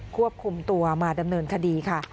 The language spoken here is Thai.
ควบคุมตัวมาดำเนินคดีค่ะ